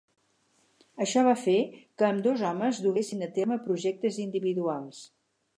Això va fer que ambdós homes duguessin a terme projectes individuals.